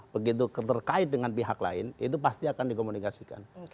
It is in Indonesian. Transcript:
begitu terkait dengan pihak lain itu pasti akan dikomunikasikan